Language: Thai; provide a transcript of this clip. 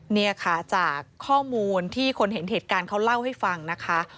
เนี่ยค่ะจากข้อมูลที่คนเห็นเหตุการณ์เขาเล่าให้ฟังนะคะ